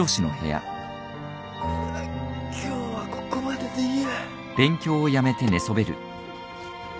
今日はここまででいいや